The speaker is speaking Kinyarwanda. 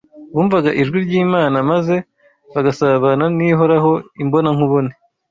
bumvaga ijwi ry’Imana, maze bagasabana n’Ihoraho imbona nkubone.